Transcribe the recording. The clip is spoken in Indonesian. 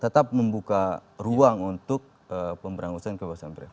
tetap membuka ruang untuk pemberangkusan kekuasaan bremen